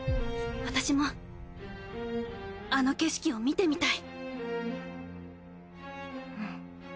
私もあの景色を見てみたい！